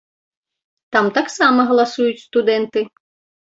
Там таксама галасуюць студэнты.